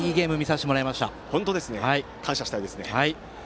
本当に感謝したいですね。